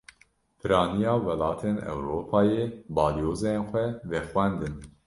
Piraniya welatên Ewropayê, balyozên xwe vexwendin